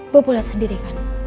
bapak lihat sendiri kan